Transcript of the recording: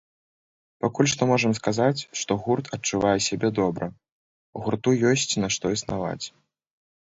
Пакуль што можам сказаць, што гурт адчувае сябе добра, гурту ёсць на што існаваць.